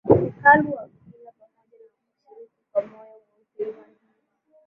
hekalu wakila pamoja na kushiriki kwa moyo mweupe Hivyo ndivyo